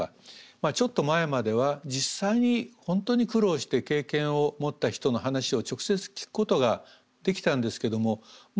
ちょっと前までは実際に本当に苦労して経験を持った人の話を直接聞くことができたんですけどももう事実上できないんですね。